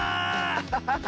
アハハハ！